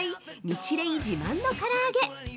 ニチレイ自慢のから揚げ。